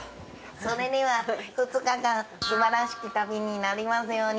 それでは２日間すばらしき旅になりますように。